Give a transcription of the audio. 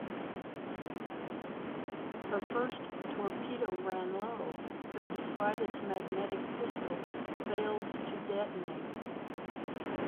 Her first torpedo ran low, but despite its magnetic pistol failed to detonate.